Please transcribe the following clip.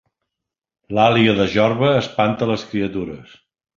L'àliga de Jorba espanta les criatures